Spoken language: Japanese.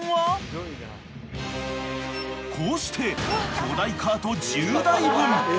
［こうして巨大カート１０台分］